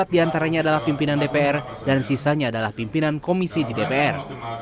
empat diantaranya adalah pimpinan dpr dan sisanya adalah pimpinan komisi di dpr